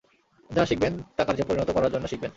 যা শিখবেন তা কার্যে পরিণত করার জন্য শিখবেন।